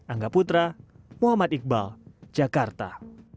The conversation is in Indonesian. angga putra muhammad iqbal jakarta